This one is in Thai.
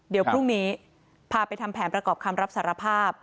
เดี๋ยวพรุ่งนี้พาไปทำแผนประกอบคำรับสารภาพ